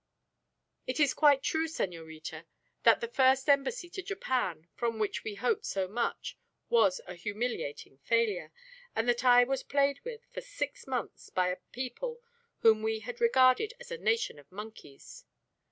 "It is quite true, senorita, that the first embassy to Japan, from which we hoped so much, was a humiliating failure, and that I was played with for six months by a people whom we had regarded as a nation of monkeys.